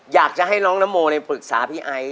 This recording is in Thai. อยากจะให้น้องนโมปรึกษาพี่ไอซ